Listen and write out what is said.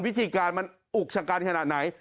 วิธีการมันอุกชะกันขนาดไหน